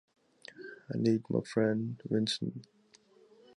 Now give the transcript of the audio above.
I need my friend, Vincent.